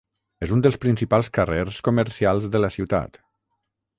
És un dels principals carrers comercials de la ciutat.